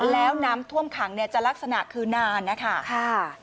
แล้วน้ำท่วมขังจะลักษณะคือนานนะคะ